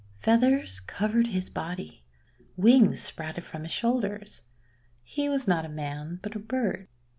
Feathers covered his body, wings sprouted from his shoulders. He was not a man, but a bird.